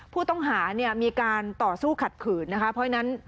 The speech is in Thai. ผู้ต้องหาเนี่ยมีการต่อสู้ขัดขืนนะคะเพราะฉะนั้น